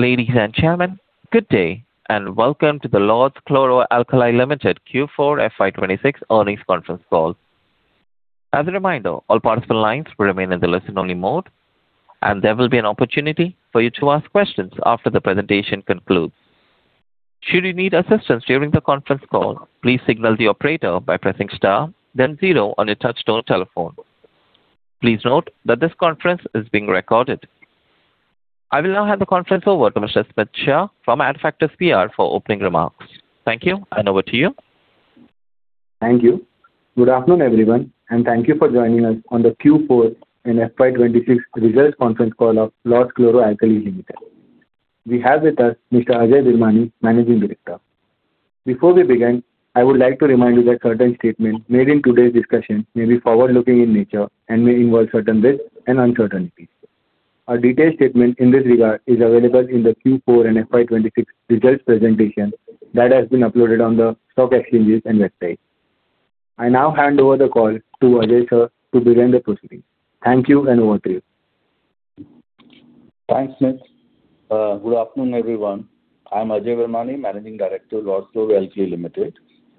Ladies and gentlemen, good day, and welcome to the Lords Chloro Alkali Limited Q4 FY 2026 earnings conference call. As a reminder, all participant lines will remain in the listen-only mode, and there will be an opportunity for you to ask questions after the presentation concludes. Should you need assistance during the conference call, please signal the operator by pressing star then zero on your touchtone telephone. Please note that this conference is being recorded. I will now hand the conference over to Mr. Smit Shah from Adfactors PR for opening remarks. Thank you, and over to you. Thank you. Good afternoon, everyone, thank you for joining us on the Q4 and FY 2026 results conference call of Lords Chloro Alkali Limited. We have with us Mr. Ajay Virmani, Managing Director. Before we begin, I would like to remind you that certain statements made in today's discussion may be forward-looking in nature and may involve certain risks and uncertainties. A detailed statement in this regard is available in the Q4 and FY 2026 results presentation that has been uploaded on the stock exchanges and website. I now hand over the call to Ajay sir to begin the proceedings. Thank you. Over to you. Thanks, Smit. Good afternoon, everyone. I'm Ajay Virmani, Managing Director, Lords Chloro Alkali Limited,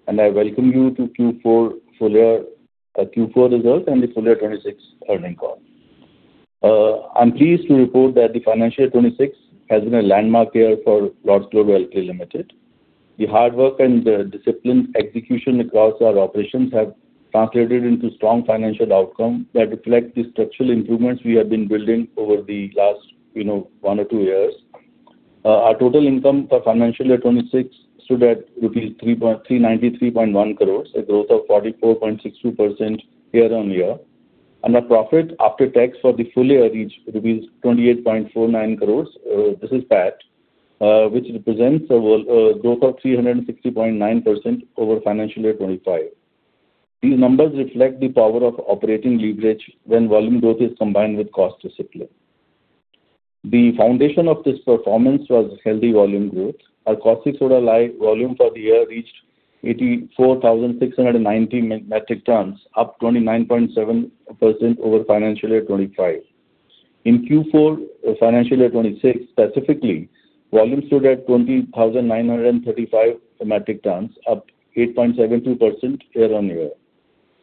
and I welcome you to Q4 results and the full year 2026 earnings call. I'm pleased to report that the financial year 2026 has been a landmark year for Lords Chloro Alkali Limited. The hard work and disciplined execution across our operations have translated into strong financial outcomes that reflect the structural improvements we have been building over the last one or two years. Our total income for financial year 2026 stood at rupees 393.1 crore, a growth of 44.62% year-on-year. Our profit after tax for the full year reached rupees 28.49 crore, this is PAT, which represents a growth of 360.9% over financial year 2025. These numbers reflect the power of operating leverage when volume growth is combined with cost discipline. The foundation of this performance was healthy volume growth. Our caustic soda lye volume for the year reached 84,690 metric tons, up 29.7% over financial year 2025. In Q4 financial year 2026, specifically, volume stood at 20,935 metric tons, up 8.72% year-on-year.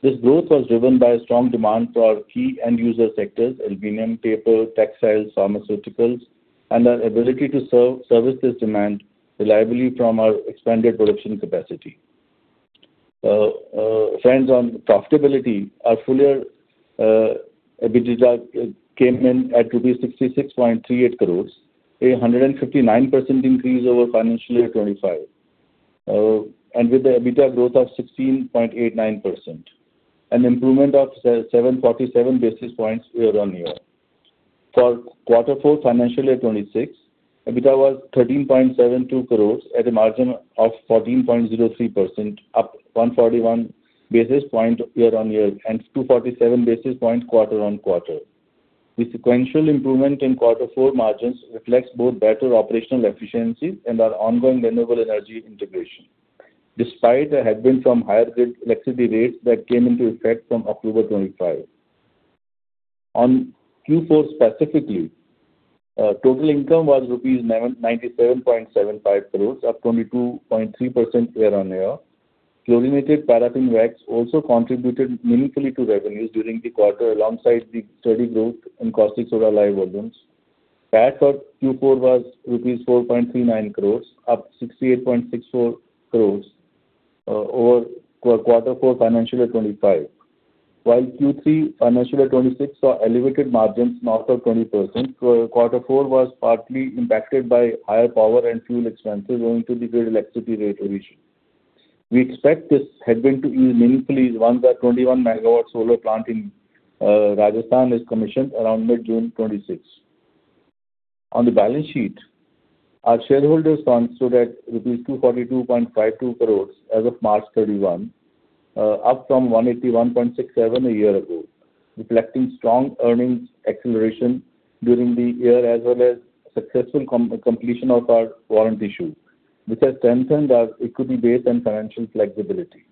This growth was driven by strong demand for our key end-user sectors, aluminum, paper, textiles, pharmaceuticals, and our ability to service this demand reliably from our expanded production capacity. Friends, on profitability, our full year EBITDA came in at INR 66.38 crore, a 159% increase over financial year 2025. With the EBITDA growth of 16.89%, an improvement of 747 basis points year-on-year. For Q4 financial year 2026, EBITDA was 13.72 crore at a margin of 14.03%, up 141 basis points year-on-year and 247 basis points quarter-on-quarter. The sequential improvement in Q4 margins reflects both better operational efficiencies and our ongoing renewable energy integration, despite a headwind from higher grid electricity rates that came into effect from October 2025. On Q4 specifically, total income was INR 97.75 crore, up 22.3% year-on-year. chlorinated paraffin wax also contributed meaningfully to revenues during the quarter alongside the steady growth in caustic soda lye volumes. PAT for Q4 was rupees 4.39 crore, up 68.64 crore over Q4 financial year 2025. While Q3 financial year 2026 saw elevated margins north of 20%, Q4 was partly impacted by higher power and fuel expenses owing to the grid electricity rate revision. We expect this headwind to ease meaningfully once our 21 MW solar plant in Rajasthan is commissioned around mid-June 2026. On the balance sheet, our shareholders' funds stood at rupees 242.52 crore as of March 31, up from 181.67 a year ago, reflecting strong earnings acceleration during the year, as well as successful completion of our warrant issue, which has strengthened our equity base and financial flexibility.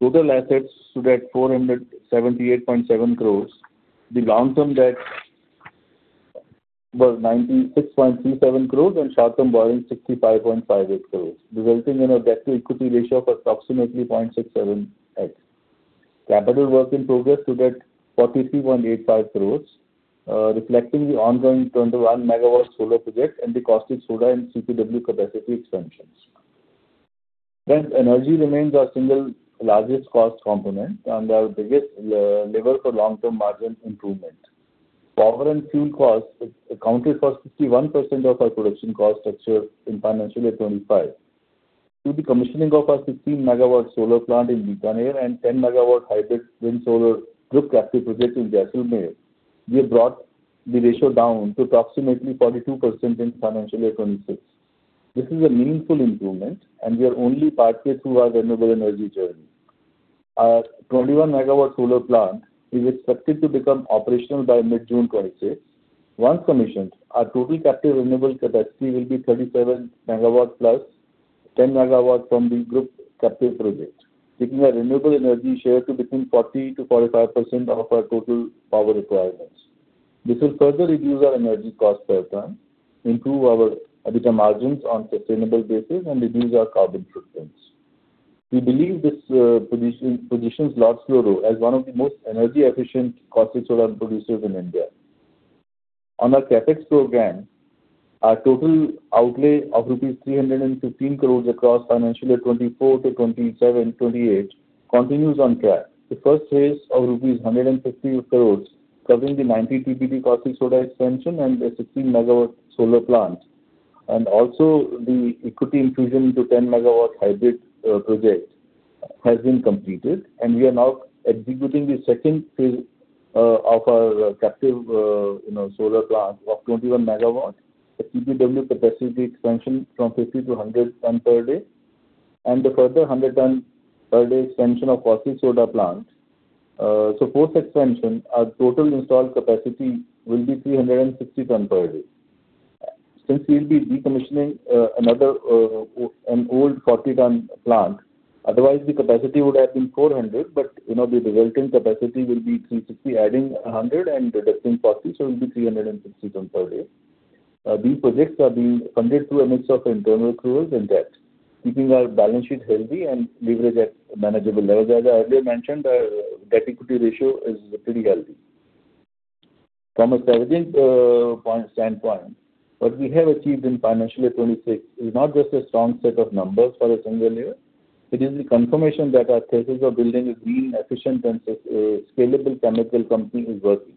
Total assets stood at 478.7 crore. The long-term debt was 96.37 crore and short-term borrowings 65.58 crore, resulting in a debt to equity ratio of approximately 0.67x. Capital work in progress stood at 43.85 crore, reflecting the ongoing 21 MW solar project and the caustic soda and CPW capacity expansions. Friends, energy remains our single largest cost component and our biggest lever for long-term margin improvement. Power and fuel costs accounted for 61% of our production cost structure in FY 2025. Through the commissioning of our 16 MW solar plant in Bikaner and 10 MW hybrid wind solar group captive project in Jaisalmer, we have brought the ratio down to approximately 42% in financial year 2026. This is a meaningful improvement, and we are only partly through our renewable energy journey. Our 21 MW solar plant is expected to become operational by mid-June 2026. Once commissioned, our total captive renewable capacity will be 37 MW plus 10 MW from the group captive project, taking our renewable energy share to between 40%-45% of our total power requirements. This will further reduce our energy cost per ton, improve our EBITDA margins on sustainable basis, and reduce our carbon footprints. We believe this positions Lords Chloro as one of the most energy efficient caustic soda producers in India. On our CapEx program, our total outlay of rupees 315 crore across FY 2024 to FY 2027, FY 2028 continues on track. The first phase of rupees 150 crore covering the 90 TPD caustic soda expansion and a 16 MW solar plant, and also the equity infusion into 10 MW hybrid project has been completed. We are now executing the second phase of our captive solar plant of 21 MW, the CPW capacity expansion from 50-100 ton/day, and the further 100 ton/day expansion of caustic soda plant. Post-expansion, our total installed capacity will be 360 ton/day. Since we'll be decommissioning an old 40 ton plant, otherwise the capacity would have been 400 ton/day, but the resulting capacity will be 360 ton/day, adding 100 ton/day and reducing 40 ton/day, so it will be 360 ton/day. These projects are being funded through a mix of internal accruals and debt, keeping our balance sheet healthy and leverage at manageable levels. As I earlier mentioned, our debt equity ratio is pretty healthy. From a strategic standpoint, what we have achieved in financial year 2026 is not just a strong set of numbers for a single year, it is the confirmation that our thesis of building a green, efficient, and scalable chemical company is working.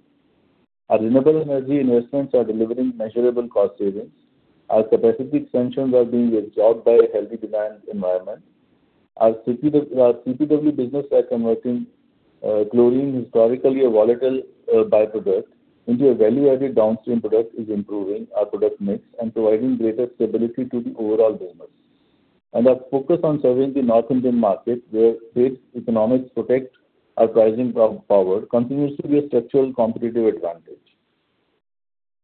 Our renewable energy investments are delivering measurable cost savings. Our capacity expansions are being absorbed by a healthy demand environment. Our CPW business are converting chlorine, historically a volatile byproduct, into a value added downstream product is improving our product mix and providing greater stability to the overall business. Our focus on serving the North Indian market, where state economics protect our pricing power continues to be a structural competitive advantage.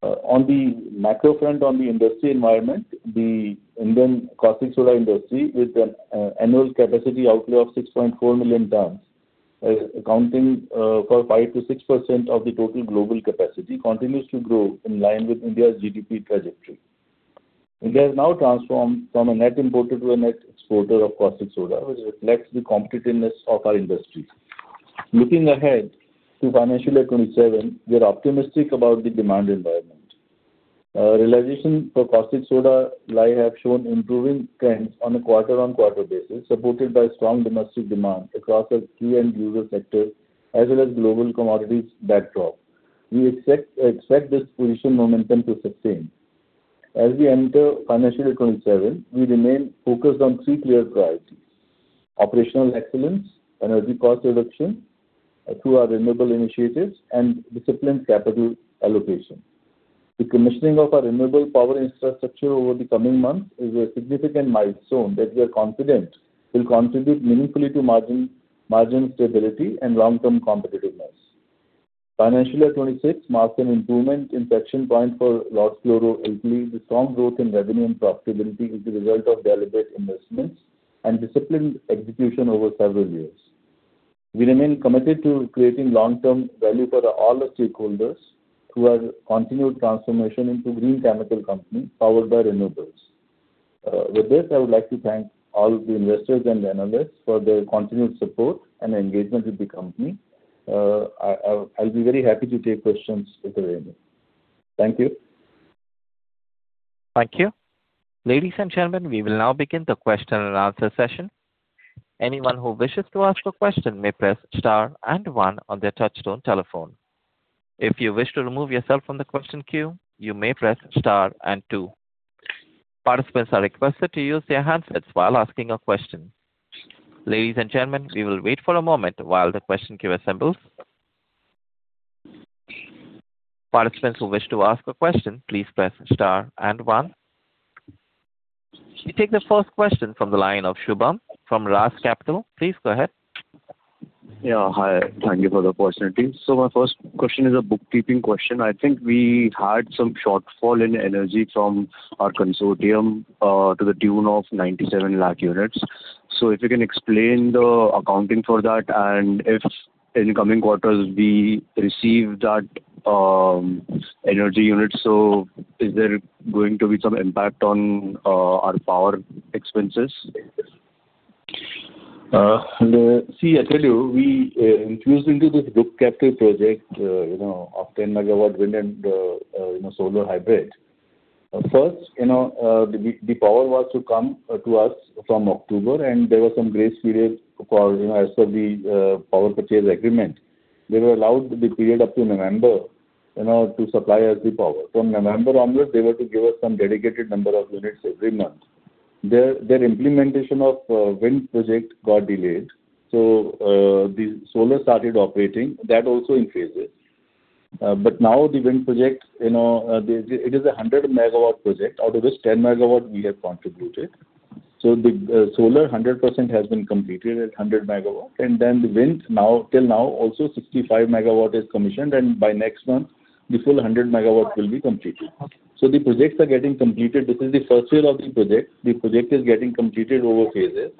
On the macro front, on the industry environment, the Indian caustic soda industry with an annual capacity outlay of 6,400,000 tons, accounting for 5%-6% of the total global capacity, continues to grow in line with India's GDP trajectory. India has now transformed from a net importer to a net exporter of caustic soda, which reflects the competitiveness of our industry. Looking ahead to FY 2027, we are optimistic about the demand environment. Realization for caustic soda lye have shown improving trends on a quarter-on-quarter basis, supported by strong domestic demand across our key end user sectors as well as global commodities backdrop. We expect this position momentum to sustain. As we enter FY 2027, we remain focused on three clear priorities, operational excellence, energy cost reduction through our renewable initiatives, and disciplined capital allocation. The commissioning of our renewable power infrastructure over the coming months is a significant milestone that we are confident will contribute meaningfully to margin stability and long-term competitiveness. Financial year 2026 marked an improvement in inflection point for Lords Chloro Alkali. The strong growth in revenue and profitability is the result of deliberate investments and disciplined execution over several years. We remain committed to creating long-term value for all our stakeholders through our continued transformation into green chemical company powered by renewables. I would like to thank all the investors and analysts for their continued support and engagement with the company. I'll be very happy to take questions if there any. Thank you. Thank you. Ladies and gentlemen, we will now begin the question and answer session. Anyone who wishes to ask a question may press star and one on their touchtone telephone. If you wish to remove yourself from the question queue, you may press star and two. Participants are requested to use their handsets while asking a question. Ladies and gentlemen, we will wait for a moment while the question queue assembles. Participants who wish to ask a question, please press star and one. We take the first question from the line of Shubham from Raas Capital. Please go ahead. Yeah. Hi. Thank you for the opportunity. My first question is a bookkeeping question. I think we had some shortfall in energy from our consortium to the tune of 97 lakh units. If you can explain the accounting for that, and if in coming quarters we receive that energy units, so is there going to be some impact on our power expenses? See, I tell you, we infused into this group captive project of 10 MW wind and solar hybrid. The power was to come to us from October, and there was some grace period as per the power purchase agreement. They were allowed the period up to November to supply us the power. From November onwards, they were to give us some dedicated number of units every month. Their implementation of wind project got delayed. The solar started operating. That also increases. Now the wind project, it is 100 MW project, out of which 10 MW we have contributed. The solar 100% has been completed at 100 MW. The wind, till now, also 65 MW is commissioned. By next month, the full 100 MW will be completed. Okay. The projects are getting completed. This is the first phase of the project. The project is getting completed over phases.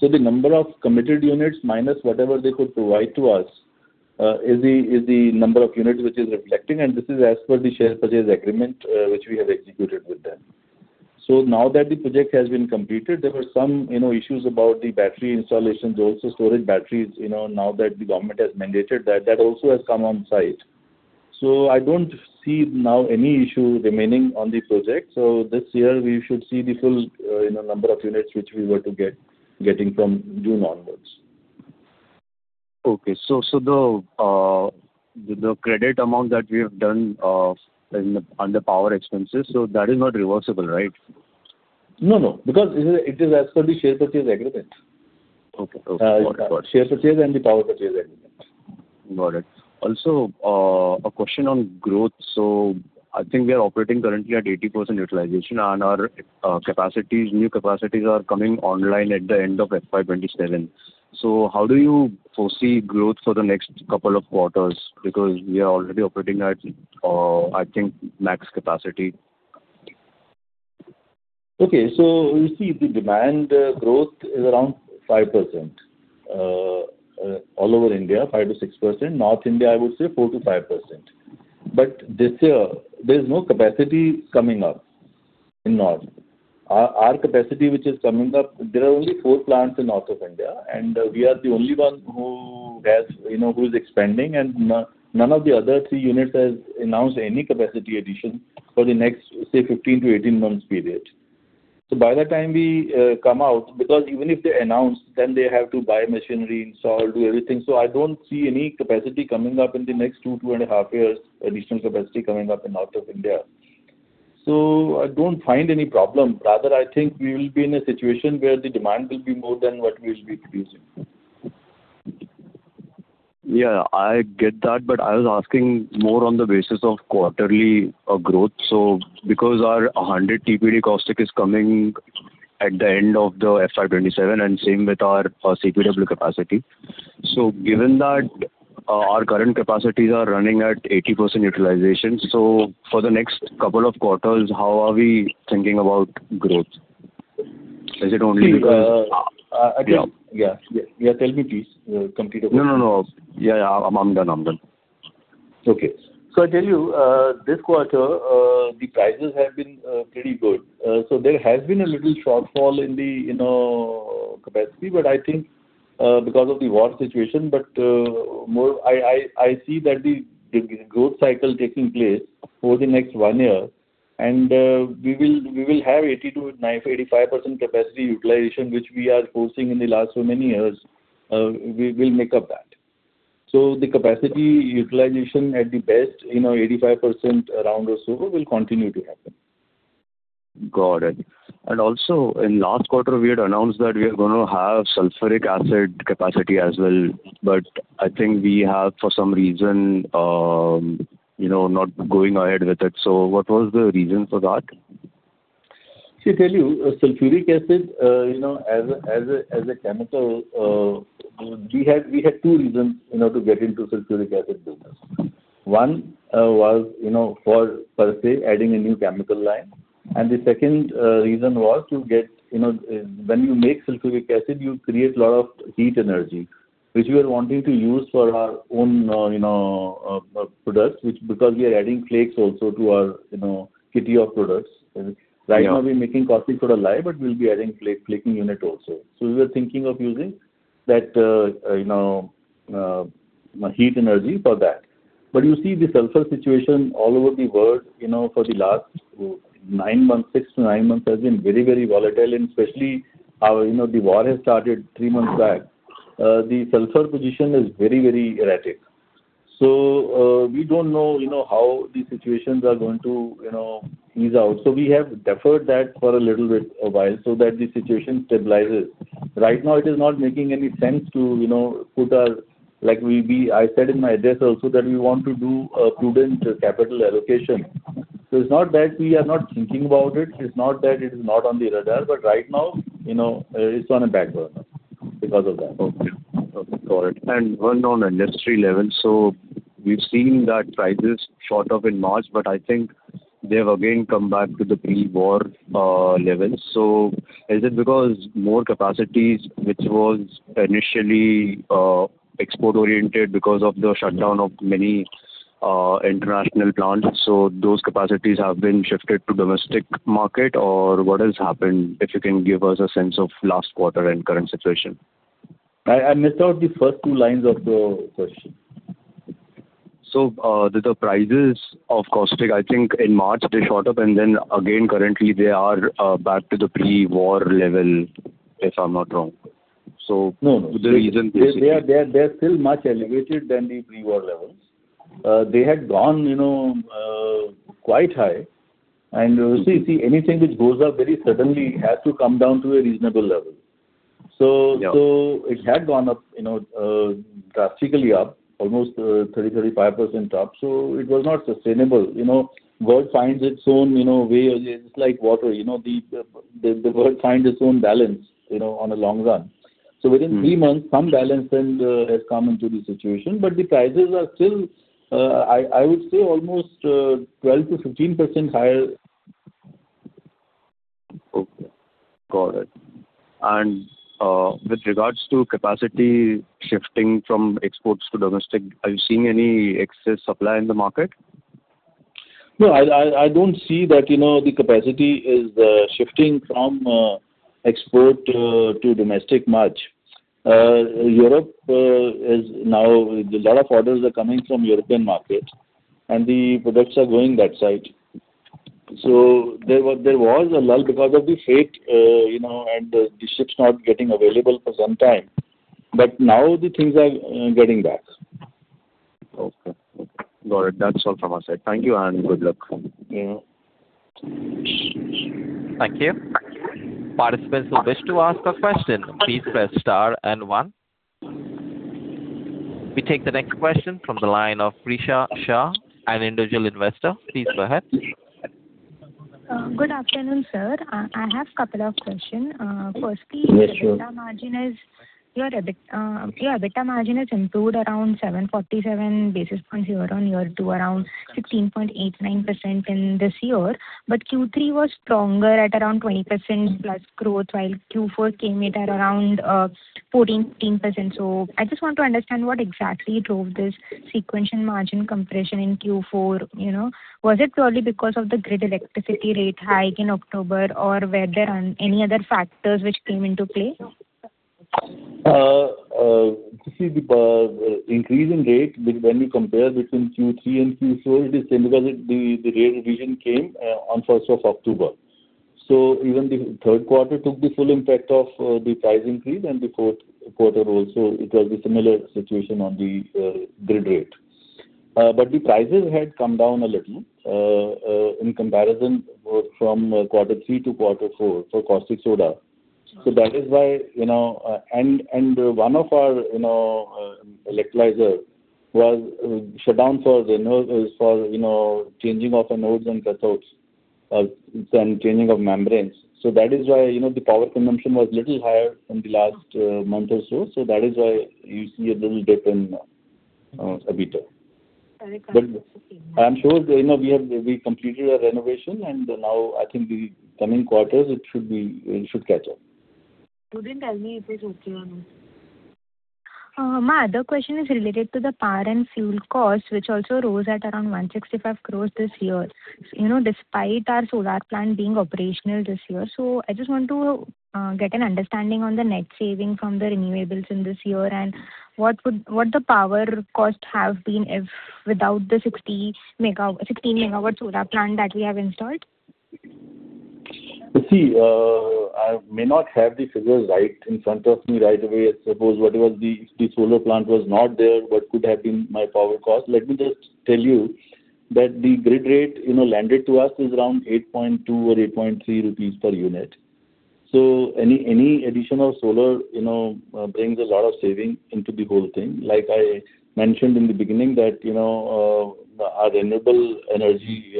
The number of committed units, minus whatever they could provide to us, is the number of units which is reflecting, and this is as per the share purchase agreement which we have executed with them. Now that the project has been completed, there were some issues about the battery installations also, storage batteries. Now that the government has mandated that also has come on site. I don't see now any issue remaining on the project. This year, we should see the full number of units which we were to get getting from June onwards. Okay. The credit amount that we have done under power expenses, so that is not reversible, right? No. It is as per the share purchase agreement. Okay. Got it. Share purchase and the power purchase agreement. Got it. Also, a question on growth. I think we are operating currently at 80% utilization, and our new capacities are coming online at the end of FY 2027. How do you foresee growth for the next couple of quarters? Because we are already operating at, I think, max capacity. Okay. You see the demand growth is around 5% all over India, 5%-6%. North India, I would say 4%-5%. This year, there's no capacity coming up in North. Our capacity which is coming up, there are only four plants in North of India, and we are the only one who's expanding, and none of the other three units has announced any capacity addition for the next, say, 15-18 months period. By the time we come out, because even if they announce, then they have to buy machinery, install, do everything. I don't see any capacity coming up in the next two to two and a half years, additional capacity coming up in North of India. I don't find any problem. Rather, I think we will be in a situation where the demand will be more than what we will be producing. I get that, I was asking more on the basis of quarterly growth. Because our 100 TPD caustic is coming at the end of FY 2027, and same with our CPW capacity. Given that our current capacities are running at 80% utilization, for the next couple of quarters, how are we thinking about growth? Is it only because? See- Yeah. Yeah. Tell me, please. Complete your question. No. Yeah, I'm done. Okay. I tell you, this quarter, the prices have been pretty good. There has been a little shortfall in the capacity because of the war situation, I see that the growth cycle taking place for the next one year, we will have 82%-85% capacity utilization, which we are posting in the last so many years. We will make up that. The capacity utilization at the best, 85% around or so will continue to happen. Got it. Also, in last quarter, we had announced that we are going to have sulfuric acid capacity as well, but I think we have, for some reason, not going ahead with it. What was the reason for that? See, tell you, sulfuric acid, as a chemical, we had two reasons to get into sulfuric acid business. One was for per se adding a new chemical line. The second reason was When you make sulfuric acid, you create a lot of heat energy, which we were wanting to use for our own products, because we are adding flakes also to our kitty of products. Yeah. Right now, we're making caustic soda lye, but we'll be adding flaking unit also. We were thinking of using that heat energy for that. You see the sulfur situation all over the world for the last six to nine months has been very volatile, and especially how the war has started three months back. The sulfur position is very erratic. We don't know how the situations are going to ease out. We have deferred that for a little bit a while so that the situation stabilizes. Right now, it is not making any sense. I said in my address also that we want to do a prudent capital allocation. It's not that we are not thinking about it's not that it is not on the radar, but right now, it's on a back burner because of that. Okay. Got it. One on industry level. We've seen that prices shot up in March. I think they have again come back to the pre-war levels. Is it because more capacities, which was initially export-oriented because of the shutdown of many international plants, so those capacities have been shifted to domestic market? What has happened, if you can give us a sense of last quarter and current situation? I missed out the first two lines of the question. The prices of caustic, I think in March, they shot up, and then again, currently, they are back to the pre-war level, if I'm not wrong. No. They're still much elevated than the pre-war levels. They had gone quite high. You see, anything which goes up very suddenly has to come down to a reasonable level. Yeah. It had gone drastically up, almost 30%-35% up. It was not sustainable. World finds its own way. It's like water. The world finds its own balance on a long run. Within three months, some balance has come into the situation, but the prices are still, I would say almost 12%-15% higher. Okay, got it. With regards to capacity shifting from exports to domestic, are you seeing any excess supply in the market? No, I don't see that the capacity is shifting from export to domestic much. Now, a lot of orders are coming from European market and the products are going that side. There was a lull because of the freight, and the ships not getting available for some time. Now the things are getting back. Okay. Got it. That's all from our side. Thank you and good luck. Yeah. Thank you. Participants who wish to ask a question, please press star and one. We take the next question from the line of Prisha Shah, an Individual Investor. Please go ahead. Good afternoon, sir. I have couple of question. Yes, sure. Firstly, your EBITDA margin has improved around 747 basis points year-on-year to around 16.89% in this year, but Q3 was stronger at around 20%+ growth, while Q4 came at around 14%, 15%. I just want to understand what exactly drove this sequential margin compression in Q4. Was it purely because of the grid electricity rate hike in October, or were there any other factors which came into play? You see the increase in rate when we compare between Q3 and Q4, it is same because the rate revision came on October 1st. Even the third quarter took the full impact of the price increase and the fourth quarter also, it was a similar situation on the grid rate. The prices had come down a little, in comparison from quarter three to quarter four for caustic soda. One of our electrolyzer was shut down for changing of anodes and cathodes, and changing of membranes. That is why the power consumption was little higher in the last month or so. That is why you see a little dip in EBITDA. Correct. I'm sure we completed our renovation and now I think the coming quarters it should catch up. Could you tell me if it's okay or no? My other question is related to the power and fuel costs, which also rose at around 165 crore this year, despite our solar plant being operational this year. I just want to get an understanding on the net saving from the renewables in this year and what the power cost have been if without the 16 MW solar plant that we have installed. You see, I may not have the figures right in front of me right away. I suppose, what if the solar plant was not there, what could have been my power cost? Let me just tell you that the grid rate landed to us is around 8.2 or 8.3 rupees per unit. Any additional solar brings a lot of saving into the whole thing. Like I mentioned in the beginning that our renewable energy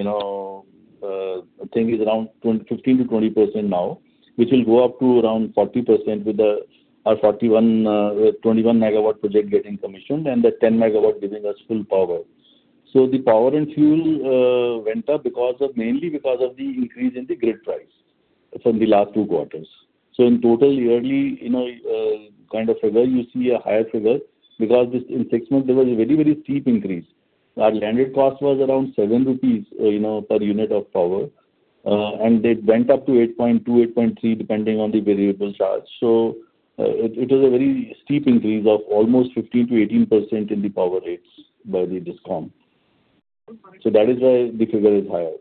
thing is around 15%-20% now, which will go up to around 40% with our 21 MW project getting commissioned and the 10 MW giving us full power. The power and fuel went up mainly because of the increase in the grid price from the last two quarters. In total yearly, kind of figure, you see a higher figure because in six months there was a very steep increase. Our landed cost was around 7 rupees per unit of power. It went up to 8.2, 8.3, depending on the variable charge. It was a very steep increase of almost 15%-18% in the power rates by the DISCOM. That is why the figure is higher.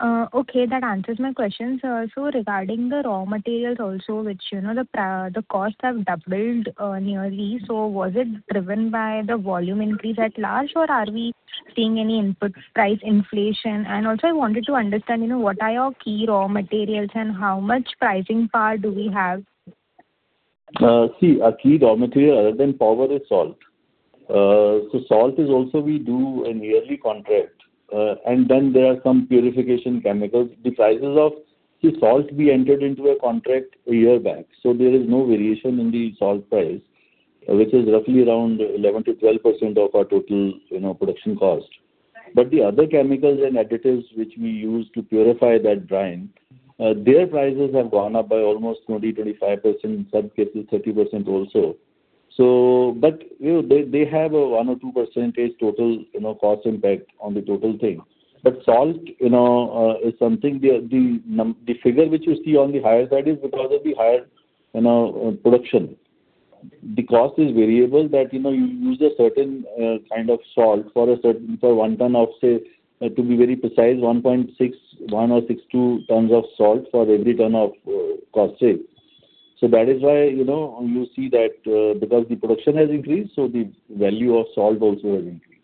Okay. That answers my question, sir. Regarding the raw materials also, which the cost have doubled nearly. Was it driven by the volume increase at large or are we seeing any input price inflation? Also, I wanted to understand what are your key raw materials and how much pricing power do we have? Our key raw material other than power is salt. Salt is also we do a yearly contract, and then there are some purification chemicals. The prices of the salt we entered into a contract a year back. There is no variation in the salt price, which is roughly around 11%-12% of our total production cost. The other chemicals and additives which we use to purify that brine, their prices have gone up by almost 20%, 25%, in some cases 30% also. They have a 1% or 2% percentage total cost impact on the total thing. Salt is something, the figure which you see on the higher side is because of the higher production. The cost is variable that you use a certain kind of salt for one ton of, say, to be very precise, 1.61 tons or 1.62 tons of salt for every ton of caustic. That is why you see that because the production has increased, so the value of salt also has increased.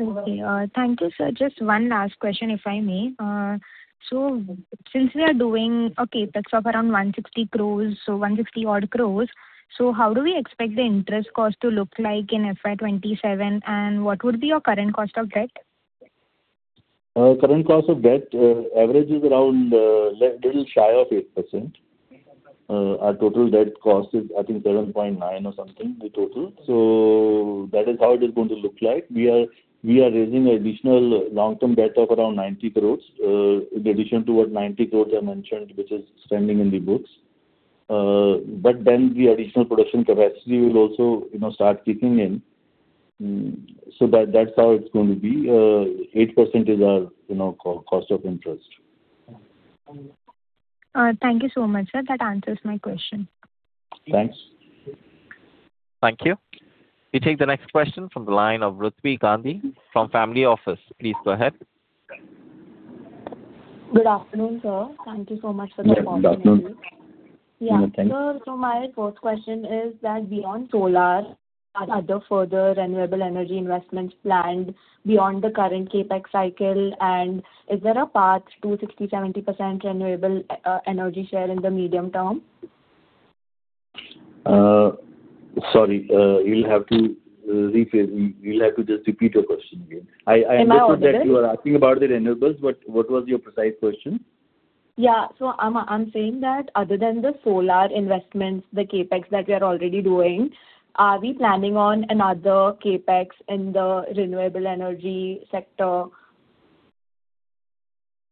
Okay. Thank you, sir. Just one last question, if I may. Since we are doing a CapEx of around 160 odd crore, so how do we expect the interest cost to look like in FY 2027, and what would be your current cost of debt? Current cost of debt average is around a little shy of 8%. Our total debt cost is, I think 7.9% or something, the total. That is how it is going to look like. We are raising additional long-term debt of around 90 crore, in addition to what 90 crore I mentioned, which is standing in the books. The additional production capacity will also start kicking in. That's how it's going to be. 8% is our cost of interest. Thank you so much, sir. That answers my question. Thanks. Thank you. We take the next question from the line of Ritvi Gandhi from Family Office. Please go ahead. Good afternoon, sir. Thank you so much for the opportunity. Yeah, good afternoon. Sir, my first question is that beyond solar, are there further renewable energy investments planned beyond the current CapEx cycle? Is there a path to 60%-70% renewable energy share in the medium term? Sorry you'll have to just repeat your question again. Am I audible? I understood that you are asking about the renewables, but what was your precise question? Yeah. I'm saying that other than the solar investments, the CapEx that we are already doing, are we planning on another CapEx in the renewable energy sector?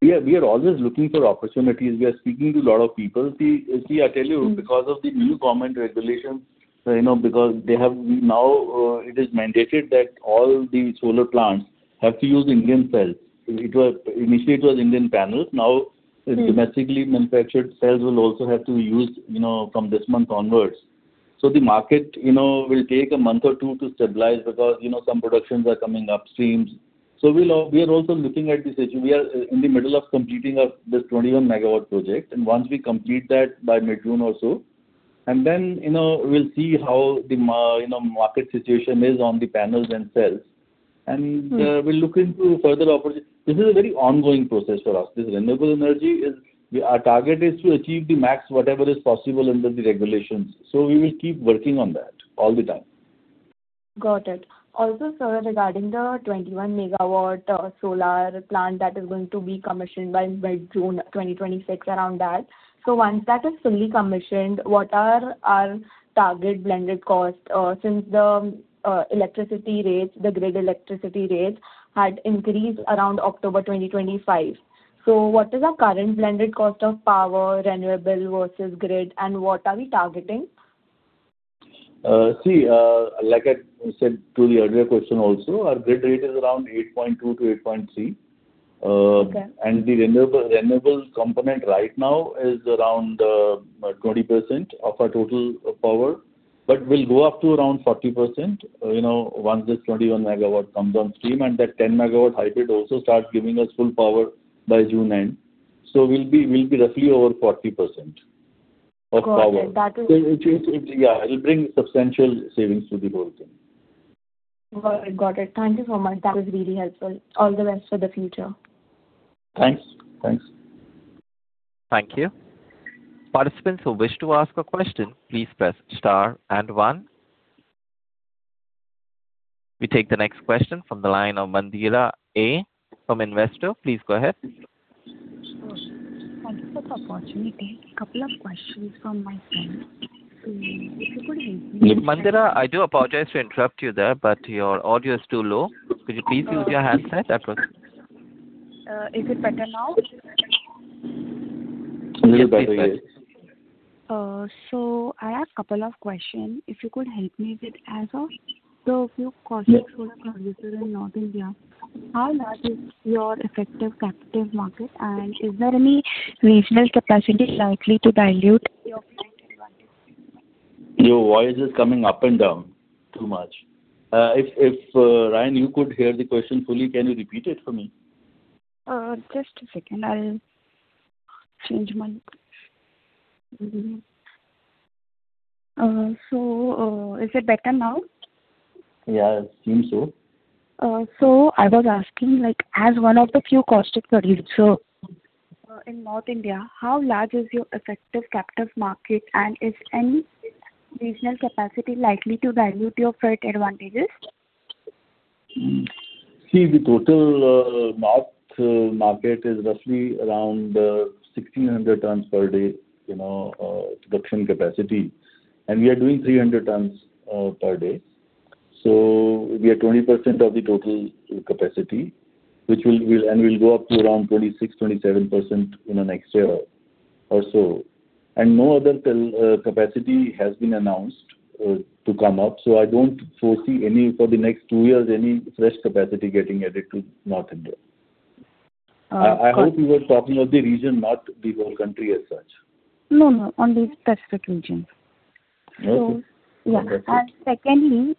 We are always looking for opportunities. We are speaking to a lot of people. See, I tell you, because of the new government regulations, because now it is mandated that all the solar plants have to use Indian cells. Initially, it was Indian panels. Now domestically manufactured cells will also have to be used from this month onwards. The market will take a month or two to stabilize because some productions are coming upstream. We are also looking at this issue. We are in the middle of completing this 21 MW project, and once we complete that by mid-June or so, and then we'll see how the market situation is on the panels and cells, and we'll look into further opportunities. This is a very ongoing process for us. This renewable energy, our target is to achieve the max, whatever is possible under the regulations. We will keep working on that all the time. Sir, regarding the 21 MW solar plant that is going to be commissioned by June 2026, around that. Once that is fully commissioned, what are our target blended cost, since the grid electricity rates had increased around October 2025. What is our current blended cost of power renewable versus grid, and what are we targeting? See, like I said to the earlier question also, our grid rate is around 8.2-8.3. Okay. The renewables component right now is around 20% of our total power, but will go up to around 40%, once this 21 MW comes on stream and that 10 MW hybrid also starts giving us full power by June end. We'll be roughly over 40% of power. Got it. Yeah, it'll bring substantial savings to the whole thing. Got it. Thank you so much. That was really helpful. All the best for the future. Thanks. Thank you. Participants who wish to ask a question, please press star and one. We take the next question from the line of Mandira A from Investor. Please go ahead. Thank you for the opportunity. A couple of questions from my side. If you could help me- Mandira, I do apologize to interrupt you there, but your audio is too low. Could you please use your handset? That will- Is it better now? A little better, yes. I have a couple of questions. If you could help me with, as of the few caustic soda producers in North India, how large is your effective captive market, and is there any regional capacity likely to dilute your current advantages? Your voice is coming up and down too much. If, Ryan, you could hear the question fully, can you repeat it for me? Just a second. Is it better now? Yeah, it seems so. I was asking, as one of the few caustic soda producers in North India, how large is your effective captive market, and is any regional capacity likely to dilute your current advantages? See, the total market is roughly around 1,600 tons/day production capacity. We are doing 300 tons/day. We are 20% of the total capacity, and we'll go up to around 26%-27% in the next year or so. No other capacity has been announced to come up. I don't foresee, for the next two years, any fresh capacity getting added to North India. Got it. I hope you were talking of the region, not the whole country as such. No, no, on the specific region. Okay. Yeah. Secondly,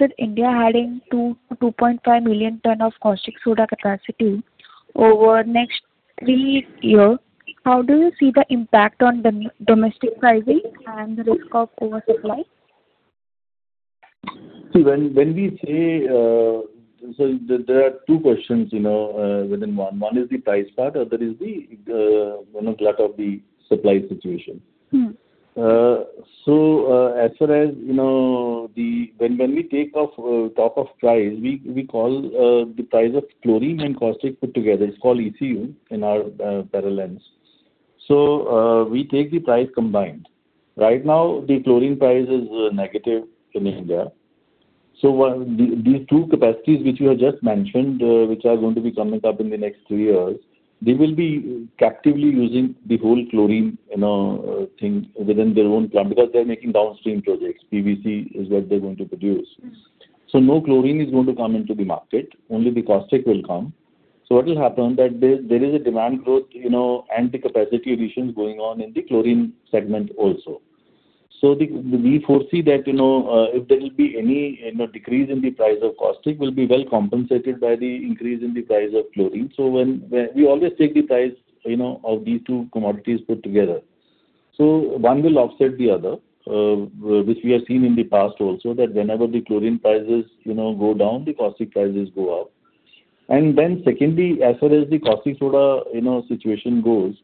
with India adding 2 million tons-2.5 million tons of caustic soda capacity over the next three years, how do you see the impact on domestic pricing and the risk of oversupply? There are two questions within one. One is the price part, other is the glut of the supply situation. As far as when we take off top of price, we call the price of chlorine and caustic put together. It's called ECU in our parlance. We take the price combined. Right now, the chlorine price is negative in India. These two capacities which you have just mentioned, which are going to be coming up in the next three years, they will be captively using the whole chlorine thing within their own plant, because they're making downstream projects. PVC is what they're going to produce. No chlorine is going to come into the market. Only the caustic will come. What will happen, that there is a demand growth, and the capacity additions going on in the chlorine segment also. We foresee that if there will be any decrease in the price of caustic, will be well compensated by the increase in the price of chlorine. We always take the price of these two commodities put together. One will offset the other, which we have seen in the past also, that whenever the chlorine prices go down, the caustic prices go up. Secondly, as far as the caustic soda situation goes,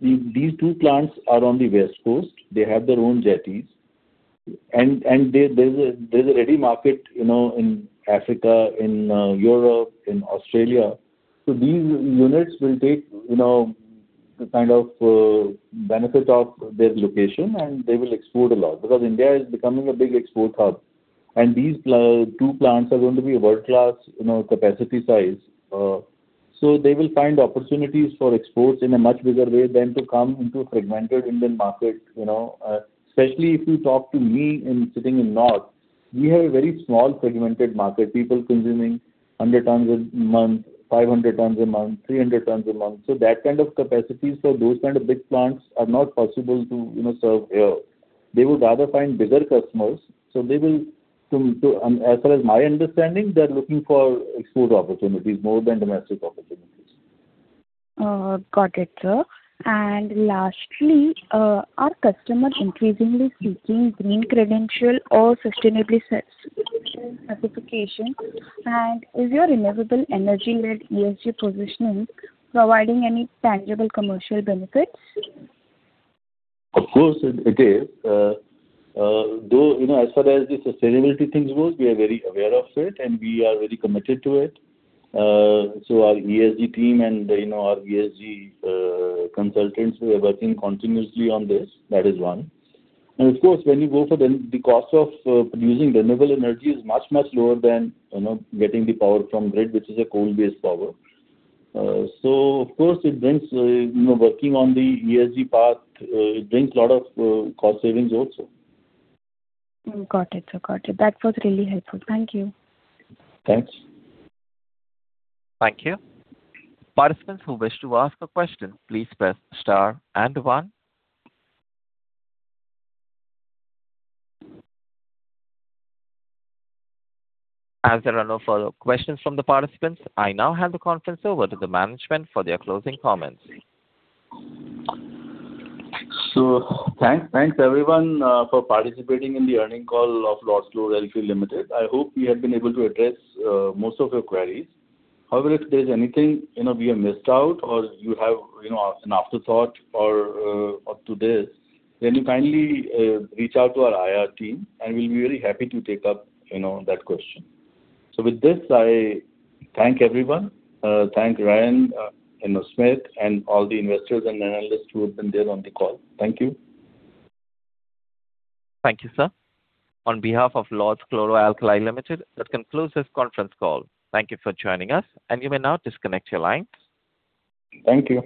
these two plants are on the West Coast. They have their own jetties, and there's a ready market in Africa, in Europe, in Australia. These units will take the benefit of their location, and they will export a lot, because India is becoming a big export hub. These two plants are going to be world-class capacity size. They will find opportunities for exports in a much bigger way than to come into fragmented Indian market. Especially if you talk to me in sitting in north, we have a very small fragmented market. People consuming 100 tons a month, 500 tons a month, 300 tons a month. That kind of capacities for those kind of big plants are not possible to serve here. They would rather find bigger customers. As far as my understanding, they're looking for export opportunities more than domestic opportunities. Lastly, are customers increasingly seeking green credential or sustainability certification? Is your renewable energy-led ESG positioning providing any tangible commercial benefits? Of course, it is. Though, as far as the sustainability things goes, we are very aware of it, and we are very committed to it. Our ESG team and our ESG consultants, we are working continuously on this. That is one. Of course, when you go for the cost of producing renewable energy is much, much lower than getting the power from grid, which is a coal-based power. Of course, working on the ESG path brings lot of cost savings also. Got it, sir. Got it. That was really helpful. Thank you. Thanks. Thank you. Participants who wish to ask a question, please press star one. As there are no further questions from the participants, I now hand the conference over to the management for their closing comments. Thanks everyone for participating in the earnings call of Lords Chloro Alkali Limited. I hope we have been able to address most of your queries. However, if there's anything we have missed out or you have an afterthought or up to this, then you kindly reach out to our IR team, and we'll be very happy to take up that question. With this, I thank everyone, thank Ryan, Smit, and all the investors and analysts who have been there on the call. Thank you. Thank you, sir. On behalf of Lords Chloro Alkali Limited, that concludes this conference call. Thank you for joining us, and you may now disconnect your lines. Thank you.